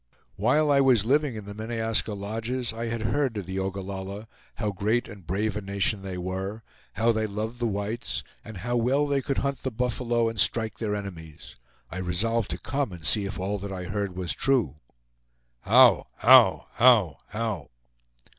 "While I was living in the Meneaska lodges, I had heard of the Ogallalla, how great and brave a nation they were, how they loved the whites, and how well they could hunt the buffalo and strike their enemies. I resolved to come and see if all that I heard was true." "How! how! how! how!"